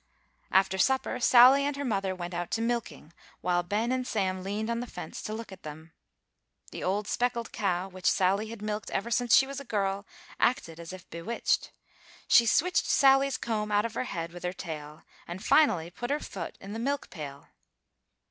After supper, Sally and her mother went out to milking, while Ben and Sam leaned on the fence to look at them. The old speckled cow, which Sally had milked ever since she was a girl, acted as if bewitched: she switched Sally's comb out of her head with her tail, and finally put her foot in the milk pail.